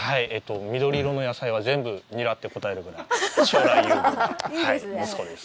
緑色の野菜は全部ニラって答えるぐらい、将来有望な息子です。